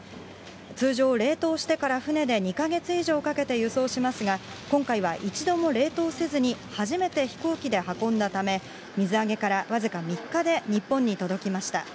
通常、冷凍してから船で２か月以上かけて輸送しますが、今回は一度も冷凍せずに、初めて飛行機で運んだため、水揚げから僅か３日で日本に届きました。